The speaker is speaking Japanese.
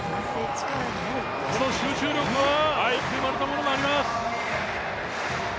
この集中力は持って生まれたものがあります。